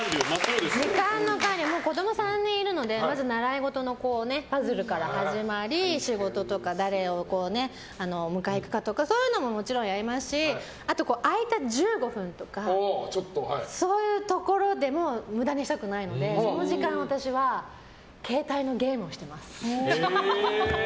子供３人にいるので習い事のパズルから始まり仕事とか、誰を迎えに行くかとかそういうのももちろんやりますし空いた１５分とかそういうところでも無駄にしたくないのでその時間、私は携帯のゲームをしてます。